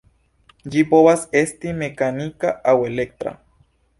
Ĝi povas esti mekanika aŭ elektra.